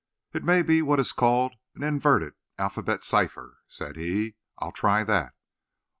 "It may be what is called an inverted alphabet cipher," said he. "I'll try that.